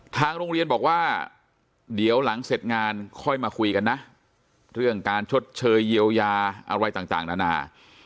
ทางโรงเรียนบอกว่าเดี๋ยวหลังเสร็จงานค่อยมาคุยกันนะเรื่องการชดเชยเยียวยาอะไรต่างนานา